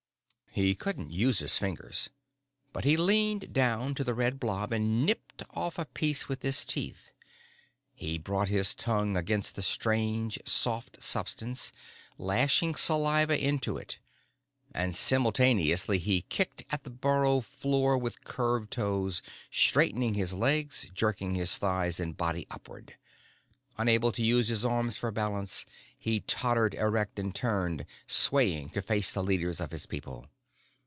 _ He couldn't use his fingers. But he leaned down to the red blob and nipped off a piece with his teeth. He brought his tongue against the strange soft substance, lashing saliva into it. And simultaneously he kicked at the burrow floor with curved toes, straightening his legs, jerking his thighs and body upward. Unable to use his arms for balance, he tottered erect and turned, swaying, to face the leaders of his people.